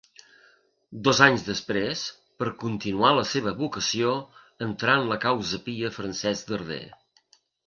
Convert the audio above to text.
Dos anys després, per continuar la seva vocació, entrà en la Causa Pia Francesc Darder.